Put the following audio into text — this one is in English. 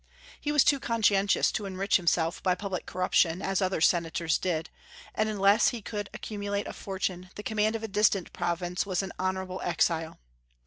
He was too conscientious to enrich himself by public corruption, as other Senators did, and unless he could accumulate a fortune the command of a distant province was an honorable exile.